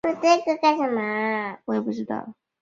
罗西是位于美国阿肯色州独立县的一个非建制地区。